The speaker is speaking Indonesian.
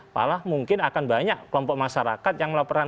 malah mungkin akan banyak kelompok masyarakat yang melaporkan